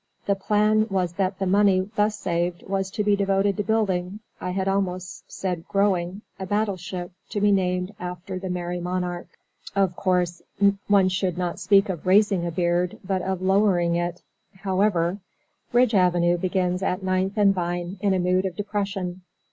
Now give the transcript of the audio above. The plan was that the money thus saved was to be devoted to building I had almost said "growing" a battleship, to be named after the Merry Monarch. Of course, one should not speak of raising a beard, but of lowering it. However Ridge Avenue begins at Ninth and Vine, in a mood of depression.